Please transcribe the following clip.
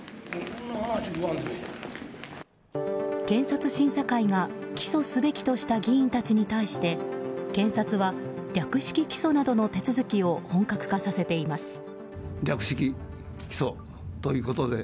検察審査会が起訴すべきとした議員たちに対して検察は、略式起訴などの手続きを本格化させています。